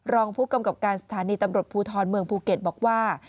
รองผู้กำกับการสถานีตำรวจภูทรเมืองภูเก็ตบอกว่า